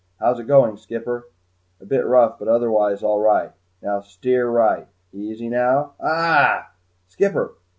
"How's it going, skipper?" "A bit rough but otherwise all right. Now steer right easy now aagh!" "Skipper!"